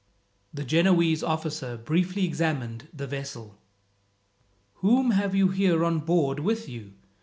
The Genoese officer briefly examined the vessel. "Whom have you here on board with you?"